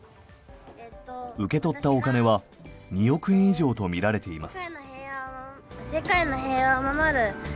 受け取ったお金は２億円以上とみられています。